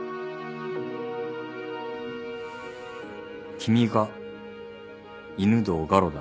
君が犬堂ガロだ。